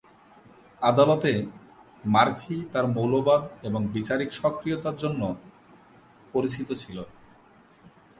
আদালতে, মার্ফি তার মৌলবাদ এবং বিচারিক সক্রিয়তা জন্য পরিচিত ছিল।